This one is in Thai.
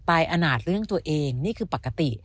อาณาจเรื่องตัวเองนี่คือปกติ